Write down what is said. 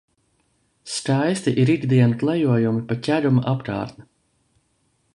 Skaisti ir ikdienu klejojumi pa Ķeguma apkārtni.